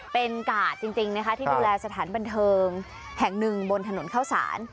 เป็นกาดจริงนะคะที่ดูแลสถานบันเทิงแห่งหนึ่งบนถนนเข้าสาร